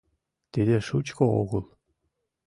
— Тиде шучко огыл.